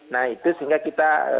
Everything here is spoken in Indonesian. nah itu sehingga kita